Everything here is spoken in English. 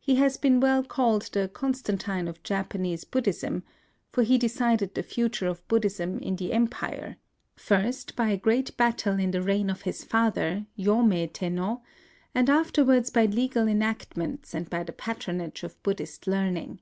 He has been well called the Constantine of Japanese Buddhism ; for he decided the future of Buddhism in the Empire, first by a great battle in the reign of his father, Yomei Tenno, and afterwards by legal enactments and by the patronage of Buddhist learning.